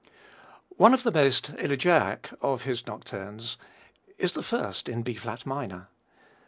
One of the most elegiac of his nocturnes is the first in B flat minor.